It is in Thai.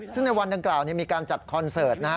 ซึ่งในวันดังกล่าวมีการจัดคอนเสิร์ตนะฮะ